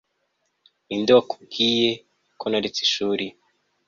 Ninde wakubwiye ko naretse ishuri